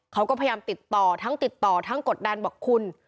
เขาก็พยายามติดต่อทั้งติดต่อทั้งกดดันบอกคุณ